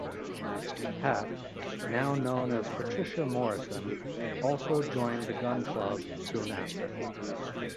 Pat, now known as Patricia Morrison, also joined The Gun Club soon after.